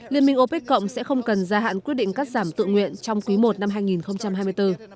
liên minh opec cộng sẽ không cần gia hạn quyết định cắt giảm tự nguyện trong quý i năm hai nghìn hai mươi bốn